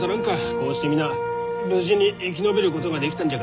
こうして皆無事に生き延びることができたんじゃからな。